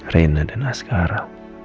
reina dan askara